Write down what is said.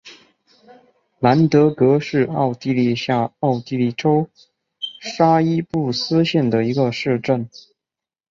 兰德格是奥地利下奥地利州沙伊布斯县的一个市镇。